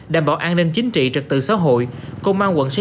đảm bảo an ninh chính trị văn hóa của thành phố